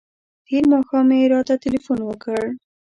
تېر ماښام یې راته تلیفون وکړ.